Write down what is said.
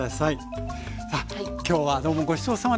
さあ今日はどうもごちそうさまでした。